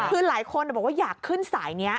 คือหลายคนบอกว่าอยากขึ้นสายนี้